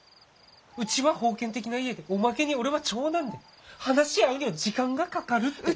うちは封建的な家でおまけに俺は長男で話し合うには時間がかかるって。